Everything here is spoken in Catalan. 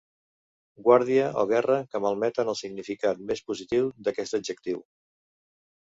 Guàrdia o guerra que malmeten el significat més positiu d'aquest adjectiu.